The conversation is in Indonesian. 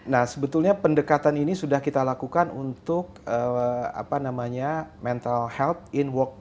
nah sebetulnya pendekatan ini sudah kita lakukan untuk mental health in work